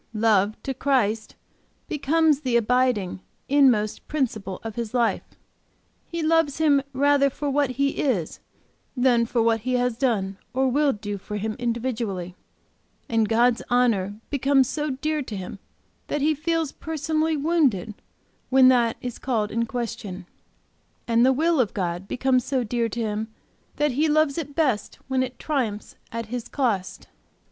Love to Christ becomes the abiding, inmost principle of his life; he loves Him rather for what He is, than for what He has done or will do for him individually, and God's honor becomes so dear to him that he feels personally wounded when that is called in question. And the will of God becomes so dear to him that he loves it best when it 'triumphs at his cost.'